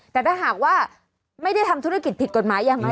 แต่ถ้าหากว่าไม่ได้ทำธุรกิจผิดกฎหมายอย่างน้อย